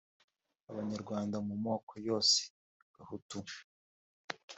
Abanyarwanda mu moko yose Gahutu